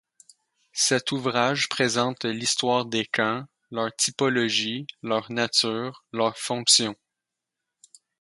Cet ouvrage présente l'histoire des camps, leur typologie, leur nature, leur fonction.